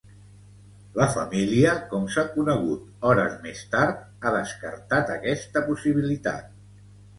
La família, com s’ha conegut hores més tard, ha descartat aquesta possibilitat.